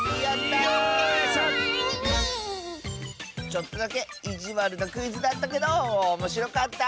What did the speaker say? ちょっとだけいじわるなクイズだったけどおもしろかった。